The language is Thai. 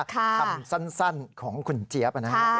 คำสั้นของคุณเจี๊ยบ